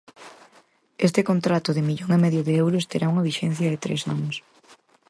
Este contrato, de millón e medio de euros, terá unha vixencia de tres anos.